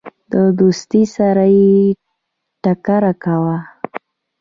د دوستی سره یې ټکر کاوه.